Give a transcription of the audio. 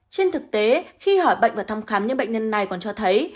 trên thực tế khi hỏi bệnh và thăm khám những bệnh nhân này còn cho thấy